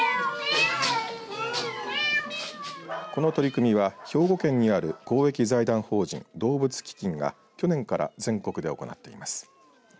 この取り組みは兵庫県にある公益財団法人どうぶつ基金が去年から全国で行っています。